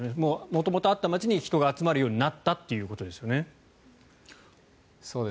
元々あった街に人が集まるようになったということですよね。